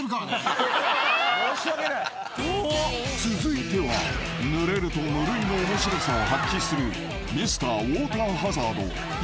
［続いてはぬれると無類の面白さを発揮するＭｒ．ウォーターハザード稲ちゃん］